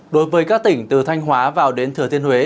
đối với các tỉnh từ thanh hóa vào đến thừa thiên huế